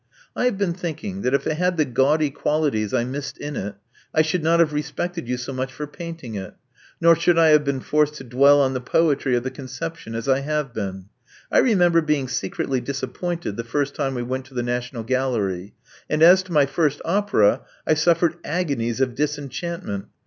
I h^ve been thinking that if it had the gaudy qualities I missed in it, I should not have respected you so much for paint ing it, nor should I have been forced to dwell on the poetry of the conception as I have been. I remember being secretly disappointed the first time we went to the National Gallery; and, as to my first opera, I suffered agonies of disenchantment.